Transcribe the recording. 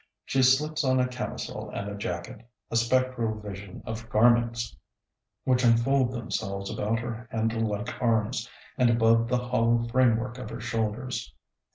She slips on a camisole and a jacket, a spectral vision of garments which unfold themselves about her handle like arms, and above the hollow framework of her shoulders.